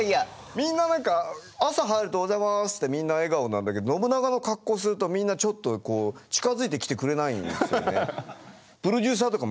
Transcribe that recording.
みんな何か朝入るとおはようございますってみんな笑顔なんだけど信長の格好するとみんなちょっと近づいてきてくれないんですよね。